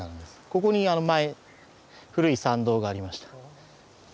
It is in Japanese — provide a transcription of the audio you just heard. ここに前古い参道がありました。